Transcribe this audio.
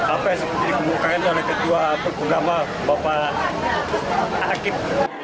apa yang seperti dikemukakan oleh ketua bapak akib